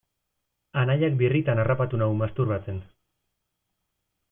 Anaiak birritan harrapatu nau masturbatzen.